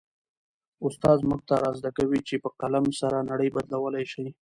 استاد موږ ته را زده کوي چي په قلم سره نړۍ بدلولای سي.